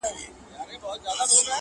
نن چي د عقل په ويښتو کي څوک وهي لاسونه!